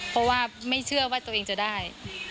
เพราะว่าไม่เชื่อว่าตัวเองจะได้